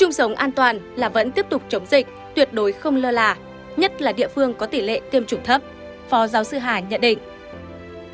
sống an toàn là vẫn tiếp tục chống dịch tuyệt đối không lơ là nhất là địa phương có tỷ lệ tiêm chủng thấp phó giáo sư hà nhận định